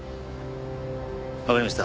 わかりました。